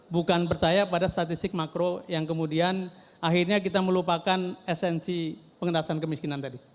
bukan percaya pada statistik makro yang kemudian akhirnya kita melupakan esensi pengendasan kemiskinan tadi